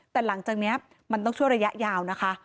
แต่หลังจากนี้มันต้องช่วยระยะยาวนะคะ